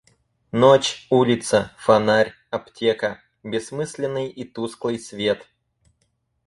Ночь, улица, фонарь, аптека, Бессмысленный и тусклый свет.